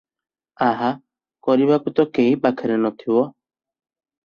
ଆହା କରିବାକୁ ତ କେହି ପାଖରେ ନଥିବ ।